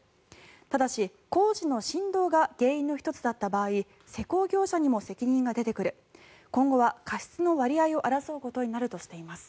ただし、工事の振動が原因の１つだった場合施工業者にも責任が出てくる今後は過失の割合を争うことになるとしています。